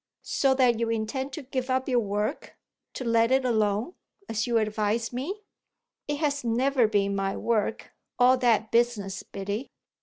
"So that you intend to give up your work to let it alone, as you advise me?" "It has never been my work, all that business, Biddy.